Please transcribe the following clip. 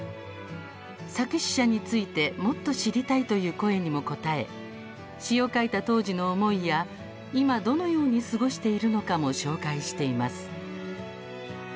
作詩者についてもっと知りたいという声にも応え詩を書いた当時の思いや今どのように過ごしているのかも紹介しています。